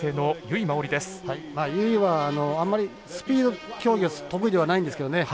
由井はあんまりスピード競技が得意ではないんですけどね。